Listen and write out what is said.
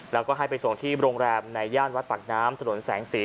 แล้วก็ให้ไปส่งที่โรงแรมในย่านวัดปากน้ำถนนแสงสี